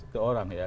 ke orang ya